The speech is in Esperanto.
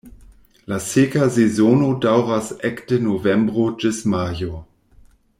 La seka sezono daŭras ekde novembro ĝis majo.